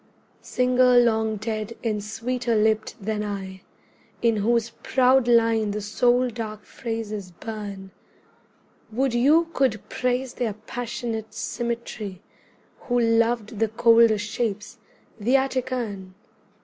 Singer long dead and sweeter lipped than I, In whose proud line the soul dark phrases burn, Would you could praise their passionate symmetry, Who loved the colder shapes, the Attic urn.